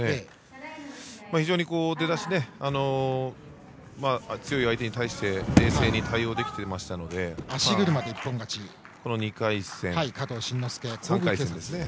非常に出だしが強い相手に対して冷静に対応できていましたのでこの２回戦、３回戦ですね。